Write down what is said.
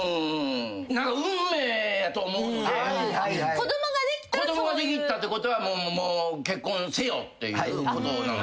子供ができたってことはもう結婚せよっていうことなのかな。